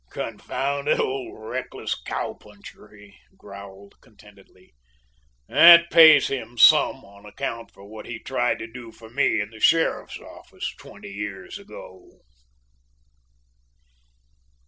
"Confounded old reckless cowpuncher!" he growled, contentedly, "that pays him some on account for what he tried to do for me in the sheriff's office twenty years ago."